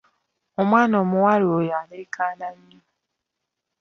Omwana omuwala oyo aleekaana nnyo.